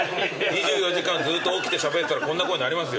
２４時間ずっと起きてしゃべったらこんな声になりますよ。